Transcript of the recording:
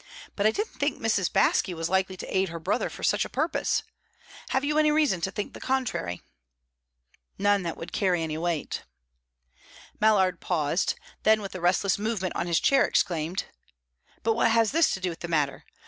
"But I didn't think Mrs. Baske was likely to aid her brother for such a purpose. Have you any reason to think the contrary?" "None that would carry any weight." Mallard paused; then, with a restless movement on his chair exclaimed: "But what has this to do with the matter?